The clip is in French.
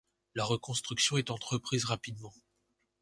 La reconstruction est entreprise rapidement.